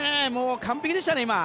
完璧でしたね、今。